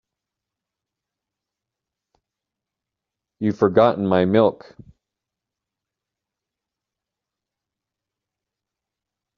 You've forgotten my milk.